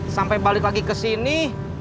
sampai balik lagi ke sini